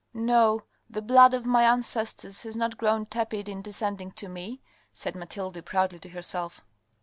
"No, the blood of my ancestors has not grown tepid in descending to me," said Mathilde proudly to herself.